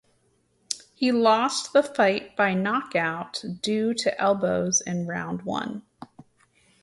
He lost the fight by knockout due to elbows in round one.